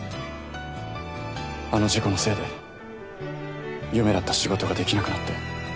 あの事故のせいで夢だった仕事ができなくなって。